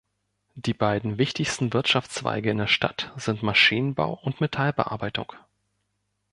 Die beiden wichtigsten Wirtschaftszweige in der Stadt sind Maschinenbau und Metallbearbeitung.